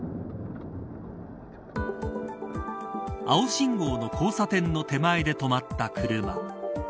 青信号の交差点の手前で止まった車。